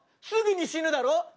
すぐに死ぬだろう。